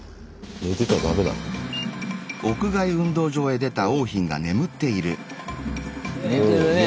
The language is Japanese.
寝てるねぇ。